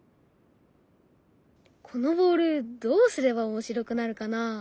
このボールどうすれば面白くなるかな？